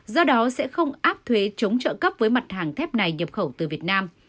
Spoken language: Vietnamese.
do đó sẽ không áp thuế chống trợ cấp với mặt hàng thép này nhập khẩu từ việt nam